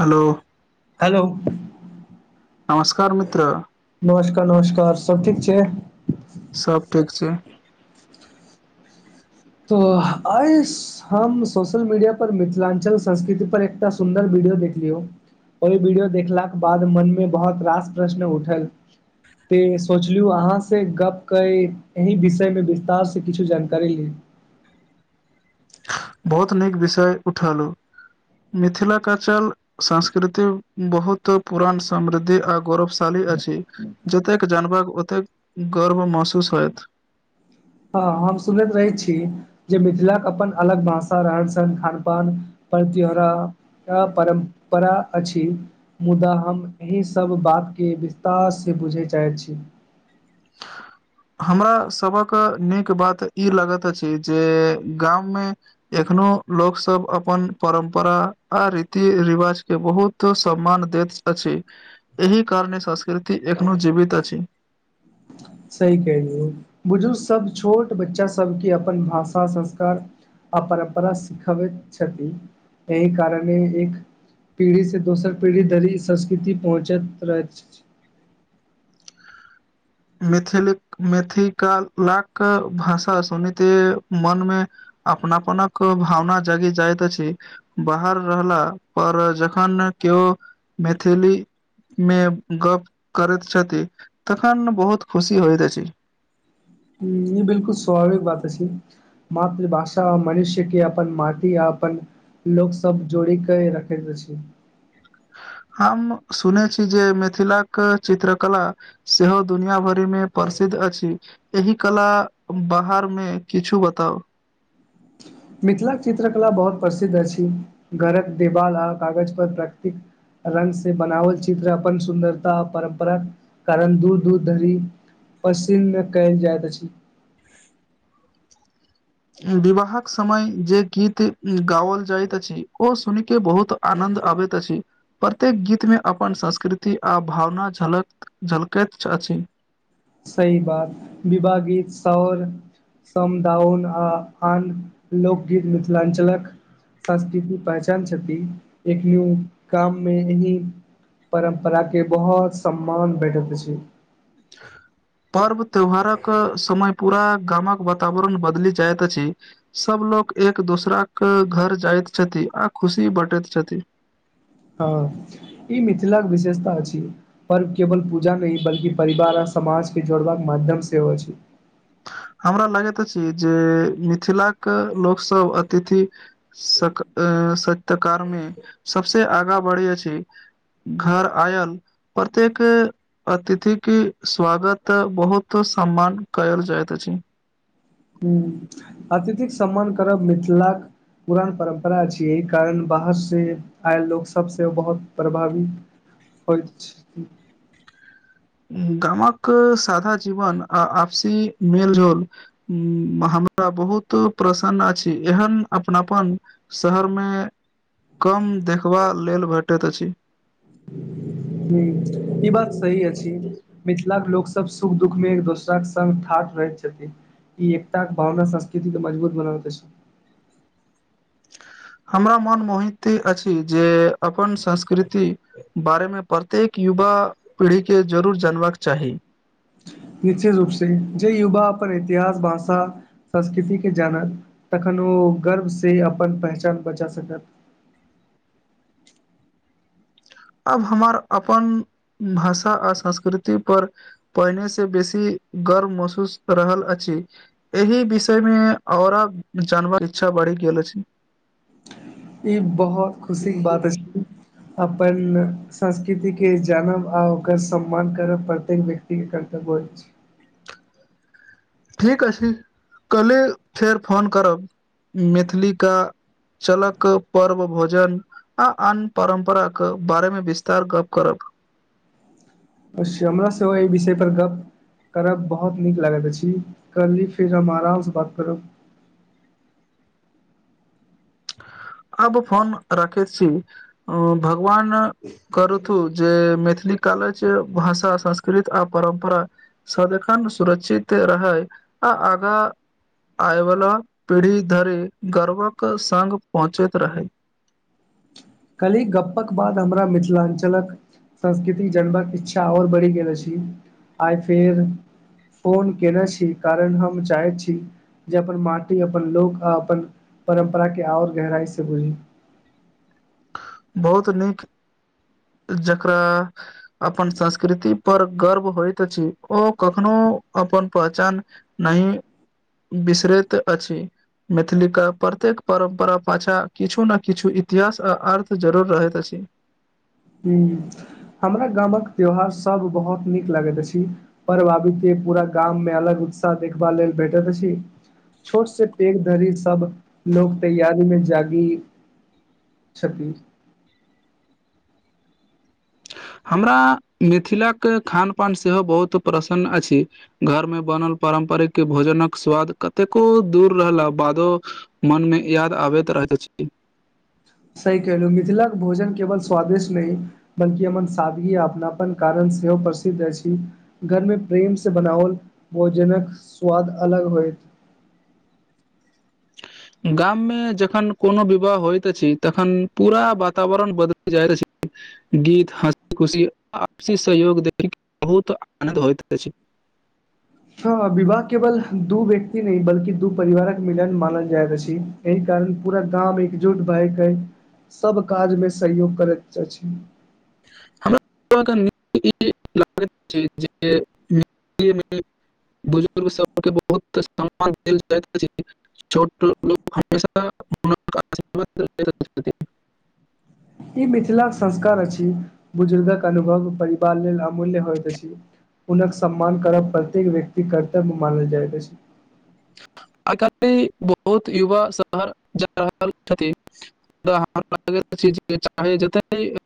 Hello hello नमस्कार मित्र। नमस्कार नमस्कार सब ठीक छैय? सब ठीक छैय। तो आइ हम सोशल मीडिया पर मिथिलांचल संस्कृति पर एकटा सुन्दर वीडियो देखलियौ। ओहि वीडियो देखलाक बाद मन में बहुत रास प्रश्न उठल तैऽ सोचलू अहाँस गप कै एहि विषयमे विस्तारसँ किछु जानकारी ली। बहुत नीक विषय उठैलु मिथिलाक चल संस्कृति बहुत पुरान समृद्धि आर गौरवशाली अछि। जतेक जानबै ओतेक गर्व महसूस होयत। हँ हम सुनैत रहै छी जे मिथिलाके अपन अलग भाषा रहन सहन खान पान पर्व त्योहार त‌ परम्परा अछि। मुदा हम एहि सभ बातके विस्तारसँ बुझय चाहैत छी। [inaudible] हमरा सभक नीक बात ई लगैत अछि जे गाममे एखनो लोक सब अपन परम्परा आ रीति रिवाज के बहुत त सम्मान दैत अछि एहि कारणे संस्कृति एखनो जीवित अछि। सही कहिलु बुजुर्ग सब छोट बच्चा सबके अपन भाषा संस्कार आ परम्परा सिखावैत छथि एहि कारणे एक पीढ़ी से दोसर पीढ़ी धरी संस्कृति पहुँचैत रहैत छ मैथिलीक मिथिलाक भाषा सुनिते मनमे अपनापनक भावना जगी जाइत अछि। बाहर रहला पर जखन केओ मैथिली मे गप करैत छथि तखन बहुत खुशी होइत अछि। ह ई बिलकुल स्वभाविक बात अछि। मातृभाषा मनुष्य के अपन माटी आ अपन लोक सब जोड़ी के रखैत अछि। हम सुने छी जे मिथिलाक चित्रकला सेहो दुनिआ भरिमे प्रसिद्ध अछि। एहि कला बाहर मे किछु बताउ। मिथिलाक चित्रकला बहुत प्रसिद्ध अछि घरक देवाल आ कागज पर प्राकृतिक रंग से बनावल चित्र अपन सुन्दरता परम्परा कारण दूर दूर धरि पसिन्न कयल जाइत अछि। विवाहक समय जे गीत गाओल जाइत अछि ओ सुन के बहुत आनन्द आबैत अछि। प्रत्येक गीतमे अपन संस्कृति आ भावना झलक झलकैत अछि। सही बात विवाह गित शौर समदाउन आ आन लोकगीत मिथिलाञ्चलक संस्कृति पहचान छथि एक न्यू काम मे अी परम्परा के बहुत सम्मान भेटैत अछि [inaudible] पर्व त्यौहारक समय पूरा गामक वातावरण बदलि जाइत अछि सब लोग एक दोसरा के घर जाइत छथि आ खुशी बाँटैत छथि हँ ई मिथिलाके विशेषता अछि पर्व केवल पूजा न बल्कि परिवार आ समाज के जोड़बाक माध्यम सेहो अछि हमरा लगैत अछि जे मिथिलाके लोकसभ अतिथि सक् अ सत्कार में सबसे आगा बढ़ै अछि घर आयल प्रत्येक अतिथि के स्वागत बहुत सम्मान कएल जायत त अछि ह अतिथिक सम्मान करब मिथिलाक पुरान परम्परा अछि एहि कारण बाहर से आयल लोक सबस बहुत प्रभावित होइत छै गामक सधा जीवन आ आपसी मेलझोल उ हमरा बहुत प्रसन्न अछि एहन अपनापन शहर मे कम देखबा लेल भेटैत अछि ह ई बात सही अछिथिल मिथिला लोक सब सुख दुख मे एक दोसरा के संग ठाठ रहैत छथिन ई एकटाक भावना संस्कृति के मजबूत बनाे अछि हमरा मन मोहित अछि जे अपन संस्कृति बारे मे प्रत्येक युवा पीढ़ी के जरूर जानबाक चाही निचे रूपसँ जे युवा अपन इतिहास भाषा संस्कृतिके जानत तखन ओ गर्वसँ अपन पहचान बचा सकत आब हमार अपन भाषा आ संस्कृति पर पहिने से बेसी गर्व महसूस रहल अछि एहि विषय मे औरा जानबा के इच्छा बढ़ि गेल अछि ई बहुत खुशी के बात अछि अपन संस्कृतिके जानब आ ओकर सम्मान करब प्रत्येक व्यक्ति के करर्तब अछि ठीक अछि कले फेर फोन करब मैथिलीका चलक पर्व भोजन आ आन परम्पराके बारेमे विस्तार गप करब अवश्य हमरा सेहो एहि विषय पर गप करब बहुत नीक लागैत अछि करली फेर हम आरामसँ बात करब आब फोन राखे छी अ भगवान करूथु जे मैथिली काल जे भाषा संस्कृत आ परम्परा सदेखन सुरक्षित रहै आ आगाँ आयवला पीढ़ी धरि गर्वक सङ्ग पहुँचैत रहै काली गप्पक बाद हमरा मिथिलाञ्चलक संस्कृति जनबाक इच्छा ओर बढ़ि गेलो अछि आइ फेर फोन केने छी कारण हम चाहैत छी जे अपन माटी अपन लोक आ अपन परम्परा के आओर गहराई से बुझी बहुत नीक जेकरा अपन संस्कृति पर गर्व होइत अछि ओ कखनो अपन पहचान नहि बिसरैत अछि मैथिली के प्रत्येक परम्परा पाछा किछु ने किछु इतिहास आ अर्थ तऽ जरूर रहैत अछि ह हमरा गामक त्यौहार सभ बहुत नीक लगैत अछि पर वर बाबू के पूरा गाम मे अलग उत्साह देखबा लेल भेठैत अछि छोट से पेघ धरी सब लोग तैयारी मे जागी छथि हमरा मिथिलाक खान पान सेहो बहुत प्रसन्न अछि घर मे बनल पारम्परिक भोजनक स्वाद कतेको दूर रहला बादो मन मे याद आबैत रहैत अछि सही कहलहु मिथिलाके भोजन केवल स्वादिष्ट नहि बल्कि हमर सादगी अपनापन कारण सेहो प्रसिद्ध अछि घर मे प्रेम से बनाओल भोजनक स्वाद अलग होयत गाम मे जखन कोनो विवाह होइत अछि तखन पूरा वातावरण बदल जाइत अछि गीत हँसी खुशी आपसी सहयोग देखै बहुत आनन्द होइत अछि हँ विवाह केवल दू व्यक्ति नहि बल्कि दू परिवारक मिलन मानल जायत अछि एहि कारण पूरा गाम एकजुट भएके सब काजमे सहयोग करैत अछि [unintelligible] [unintelligible] बुजुर्ग सबके बहुत समान देल जाइत अछि छोट लोग हमेशा छथि ई मिथिलाक संस्कार अछि बुजुर्गक अनुभव परिवार लेल अमूल्य होइत अछि हुनक सम्मान करब प्रत्येक व्यक्ति कर्तव्य मानल जाइत अछि आय काल्हि बहुत युवा शहर जा रहल छथि [unintelligible]